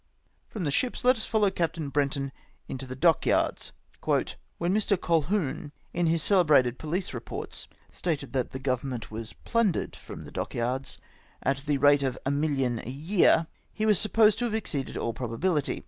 From the ships let us follow Captain Brenton into the dockyards :— "When Mr. Colquhoun, in his celebrated pohce reports, stated that the Grovernment was plundered from the dock yards at the rate of a viiUion a year, he was supposed to have exceeded all probability.